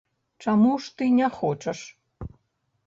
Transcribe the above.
Чаму ж ты не хочаш?